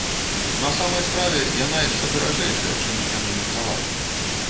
На самай справе, яна яшчэ даражэйшая, чым яны меркавалі.